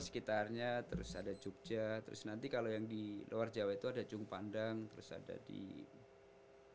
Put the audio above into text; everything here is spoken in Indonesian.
sekitarnya terus ada jogja terus nanti kalau yang di luar jawa itu ada cungpandang terus ada di